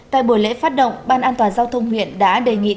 tại buổi lễ phát động ban an toàn giao thông huyện đã đề nghị các cơ quan chức năng